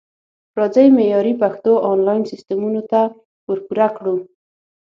راځئ معیاري پښتو انلاین سیستمونو ته ورپوره کړو